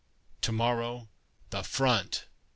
To morrow THE FRONT!